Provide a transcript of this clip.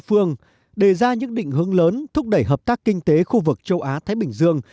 phương đề ra những định hướng lớn thúc đẩy hợp tác kinh tế khu vực châu á thái bình dương